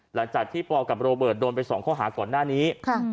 หลังจากที่ปกับโรเบิร์ตโดนไป๒ข้อหาก่อนหน้านี้